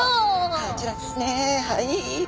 こちらですねはい。